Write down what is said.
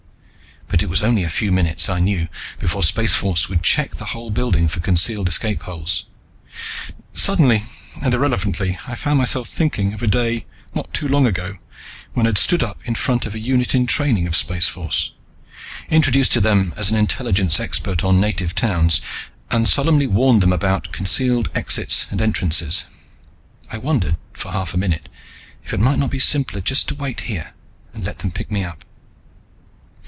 But it was only a few minutes, I knew, before Spaceforce would check the whole building for concealed escape holes. Suddenly, and irrelevantly, I found myself thinking of a day not too long ago, when I'd stood up in front of a unit in training of Spaceforce, introduced to them as an Intelligence expert on native towns, and solemnly warned them about concealed exits and entrances. I wondered, for half a minute, if it might not be simpler just to wait here and let them pick me up.